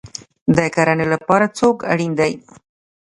د کرنې لپاره څوک اړین دی؟